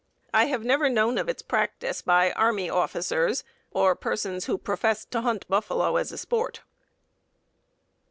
I have never known of its practice by army officers or persons who professed to hunt buffalo as a sport."